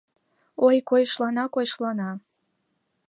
Ой, койышлана, койышлана!